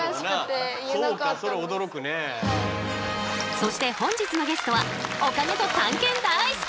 そして本日のゲストはお金と探検だい好き！